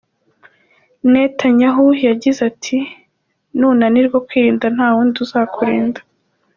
Netanyahu yagize ati, “Nunanirwa kwirinda nta wundi uzakurinda.”